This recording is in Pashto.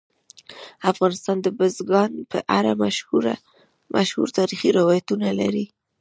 افغانستان د بزګان په اړه مشهور تاریخی روایتونه لري.